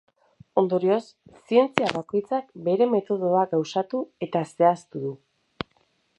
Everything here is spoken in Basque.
Ondorioz, zientzia bakoitzak bere metodoa gauzatu eta zehaztu du.